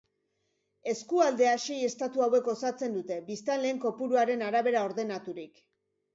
Eskualdea sei estatu hauek osatzen dute, biztanleen kopuruaren arabera ordenaturik.